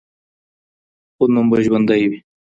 خو نوم به ژوندی وي